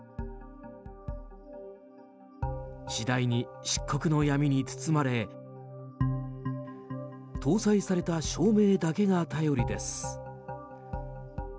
次第に漆黒の闇に包まれ搭載された照明だけが頼りです。